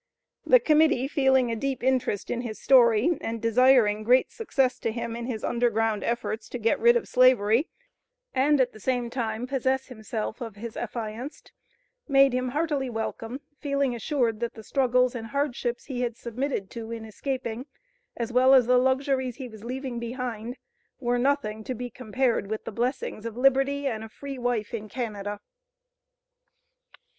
The Committee, feeling a deep interest in his story, and desiring great success to him in his Underground efforts to get rid of slavery, and at the same time possess himself of his affianced, made him heartily welcome, feeling assured that the struggles and hardships he had submitted to in escaping, as well as the luxuries he was leaving behind, were nothing to be compared with the blessings of liberty and a free wife in Canada.